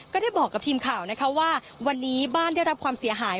ก็ได้บอกกับทีมข่าวนะคะว่าวันนี้บ้านได้รับความเสียหาย